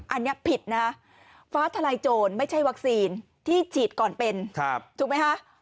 อันนี้ผิดนะฟ้าทลายโจรไม่ใช่วัคซีนที่ฉีดก่อนเป็นถูกไหมคะ